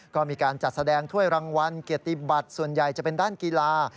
ก็มีการจัดแสดงถ้วยรางวัลเกียรติบัตรส่วนใหญ่จะเป็นด้านกีฬา